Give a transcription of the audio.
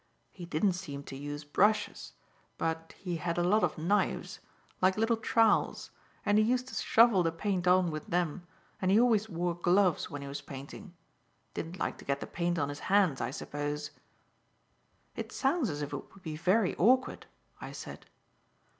He didn't seem to use brushes, but he had a lot of knives, like little trowels, and he used to shovel the paint on with them, and he always wore gloves when he was painting; didn't like to get the paint on his hands, I suppose." "It sounds as if it would be very awkward," I said.